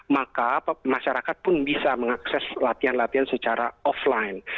maka masyarakat pun bisa mengakses latihan latihan secara offline